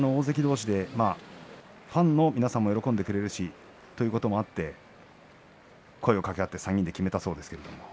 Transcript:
ファンの皆さんも喜んでくれるということもあって声をかけ合って３人で決めたそうです。